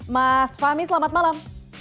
mas fahmi selamat malam